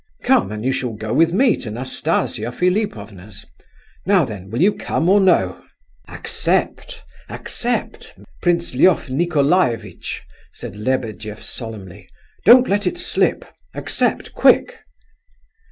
Come, and you shall go with me to Nastasia Philipovna's. Now then will you come or no?" "Accept, accept, Prince Lef Nicolaievitch" said Lebedef solemnly; "don't let it slip! Accept, quick!"